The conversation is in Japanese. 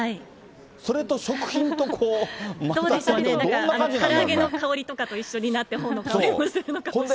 それと食品と混ざってきたら、どうでしょうね、なんかから揚げの香りとかと一緒になって、本の香りもするかもしれない。